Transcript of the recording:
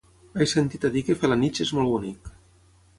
He sentit a dir que Felanitx és molt bonic.